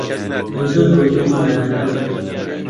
من زۆر هۆگری زمانەکانم.